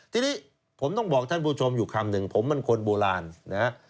ทีนี้ผมต้องบอกท่านผู้ชมอยู่คำหนึ่งผมเป็นคนโบราณนะฮะ